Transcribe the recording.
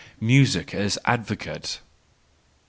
Music as Advocate .